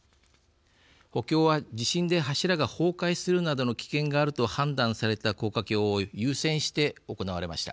補強は地震で柱が崩壊するなどの危険があると判断された高架橋を優先して行われました。